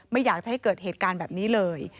ไม่อยากจะให้เกิดเหตุการณ์แบบนี้เลย